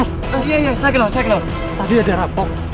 mas kenal saya kenal saya kenal tadi ada rampok